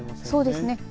そうですね。